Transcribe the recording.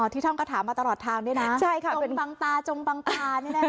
ที่ท่องคาถามาตลอดทางด้วยนะจงบางตานี่ด้วยนะ